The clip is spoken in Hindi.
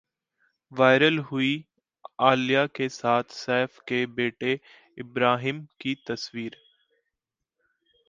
वायरल हुई आलिया के साथ सैफ के बेटे इब्राहिम की तस्वीर